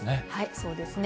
そうですね。